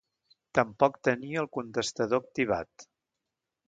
Tampoc tenia el contestador activat.